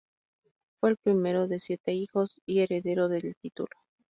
Fue el primero de siete hijos y heredero del título.